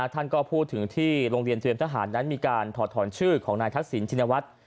ท่านก็พูดถึงที่โรงเรียนเตรียมทหารนั้นมีการถอดถอนชื่อของนายทักษิณชินวัฒน์